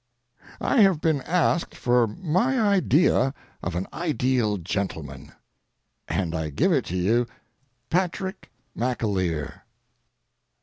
I have been asked for my idea of an ideal gentleman, and I give it to you Patrick McAleer.